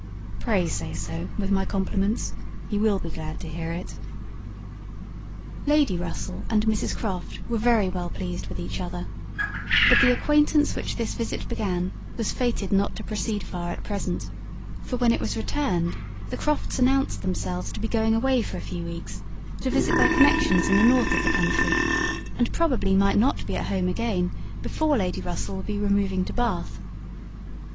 Pray say so, with my compliments. He will be glad to hear it." Lady Russell and Mrs Croft were very well pleased with each other: but the acquaintance which this visit began was fated not to proceed far at present; for when it was returned, the Crofts announced themselves to be going away for a few weeks, to visit their connexions in the north of the county, and probably might not be at home again before Lady Russell would be removing to Bath.